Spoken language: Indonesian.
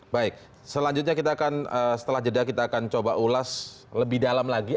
baik selanjutnya kita akan setelah jeda kita akan coba ulas lebih dalam lagi